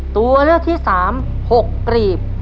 ตัวเลือกที่สาม๖กลีบ